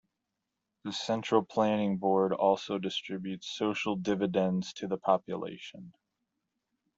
The central planning board also distributes social dividends to the population.